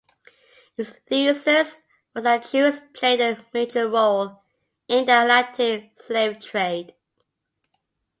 Its thesis was that Jews played a major role in the Atlantic slave trade.